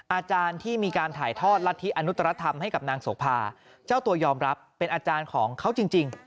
อาจารย์ที่มีการถ่ายทอดลัทธิอนุตรธรรมให้กับนางโสภาเจ้าตัวยอมรับเป็นอาจารย์ของเขาจริง